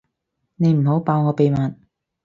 你唔好爆我秘密